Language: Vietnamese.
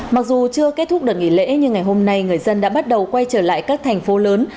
mặc dù chưa kết thúc đợt nghỉ lễ nhưng ngày hôm nay người dân đã bắt đầu quay trở lại các thành phố lớn